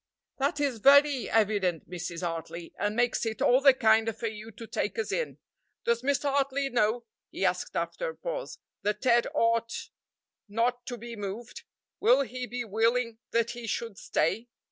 "That is very evident, Mrs. Hartley, and makes it all the kinder for you to take us in. Does Mr. Hartley know," he asked after a pause, "that Ted ought not to be moved? Will he be willing that he should stay?"